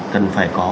cần phải có